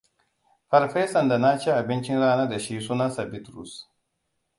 Farfesan da naci abincin rana da shi sunansa Bitrus.